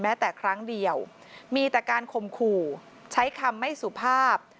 แต่ครั้งเดียวมีแต่การข่มขู่ใช้คำไม่สุภาพ